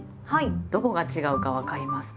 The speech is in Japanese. どこが違うか分かりますか？